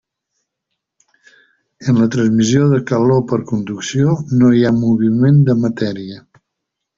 En la transmissió de calor per conducció no hi ha moviment de matèria.